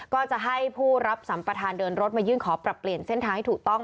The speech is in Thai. ก็จะให้ผู้รับสัมประธานเดินรถมายื่นขอปรับเปลี่ยนเส้นทางให้ถูกต้อง